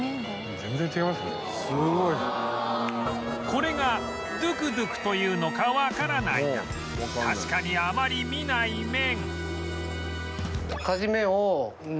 これがドゥクドゥクというのかわからないが確かにあまり見ない麺